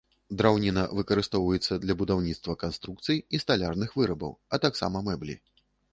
Драўніна выкарыстоўваецца для будаўніцтва канструкцый і сталярных вырабаў, а таксама мэблі.